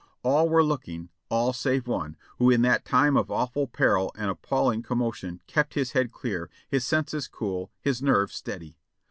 All were looking — all save one. who in that time of awful peril and appalling commotion kept his head clear, his senses cool, his nerve steady.